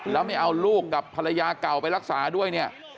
แล้วไม่เอาลูกกับภรรยาเก่าไปรักษาด้วยเนี่ย